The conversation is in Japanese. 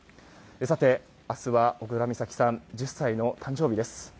さて、明日は小倉美咲さん１０歳の誕生日です。